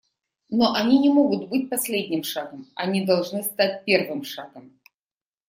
Но они не могут быть последним шагом − они должны стать первым шагом.